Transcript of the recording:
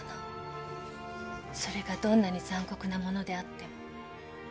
それがどんなに残酷なものであっても。